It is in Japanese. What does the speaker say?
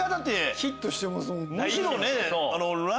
ヒットしてますもんね。